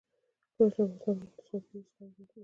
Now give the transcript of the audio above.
کله چې افغانستان کې ولسواکي وي زغم زیاتیږي.